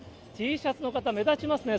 Ｔシャツの方、目立ちますね。